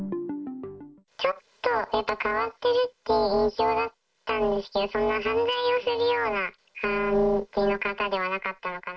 ちょっと変わってるって印象だったんですけど、そんな犯罪をするような感じの方ではなかったのかな。